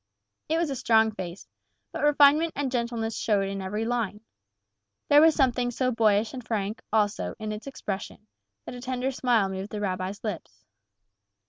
It was a strong face, but refinement and gentleness showed in every line. There was something so boyish and frank, also, in its expression, that a tender smile moved the rabbi's lips.